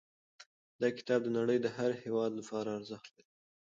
دا کتاب د نړۍ د هر هېواد لپاره ارزښت لري.